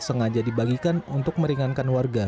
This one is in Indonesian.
sengaja dibagikan untuk meringankan warga